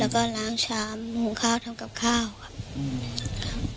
แล้วก็ล้างชามหุงข้าวทำกับข้าวครับ